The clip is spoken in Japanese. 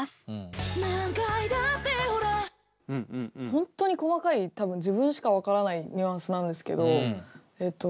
本当に細かい多分自分しか分からないニュアンスなんですけどえっと。